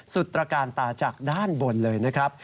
ตรการตาจากด้านบนเลยนะครับ